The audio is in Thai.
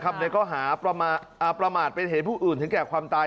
ในข้อหาประมาทเป็นเหตุผู้อื่นถึงแก่ความตาย